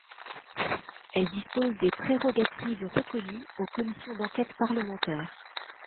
Elle dispose des prérogatives reconnues aux commissions d’enquête parlementaires.